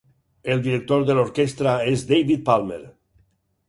El director de l'orquestra és David Palmer.